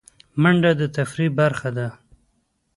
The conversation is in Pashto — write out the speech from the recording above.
منډه د تفریح برخه ده